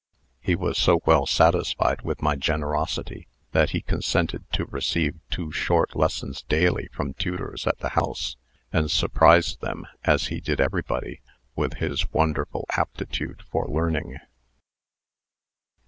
"He was so well satisfied with my generosity, that he consented to receive two short lessons daily from tutors at the house, and surprised them, as he did everybody, with his wonderful aptitude for learning."